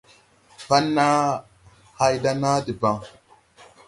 Pan naa hay da naa debaŋ.